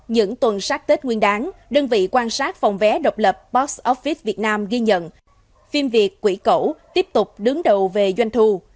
những tuần sát tết nguyên đáng đơn vị quan sát phòng vé độc lập box office việt nam ghi nhận phim việt quỷ cẩu tiếp tục đứng đầu về doanh thu